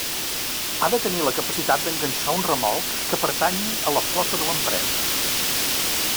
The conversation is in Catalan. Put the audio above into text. Ha de tenir la capacitat d'enganxar un remolc que pertanyi a la flota de l'empresa.